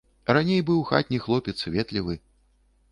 Раней быў хатні хлопец, ветлівы.